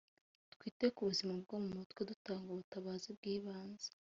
Twite ku buzima bwo mu mutwe dutanga ubutabazi bw’ibanze